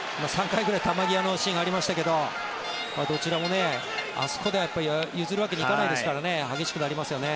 ３回ぐらい球際のシーンがありましたけどどちらもあそこでは譲るわけにはいかないですから激しくなりますよね。